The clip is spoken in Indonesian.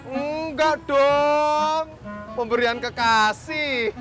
enggak dong pemberian kekasih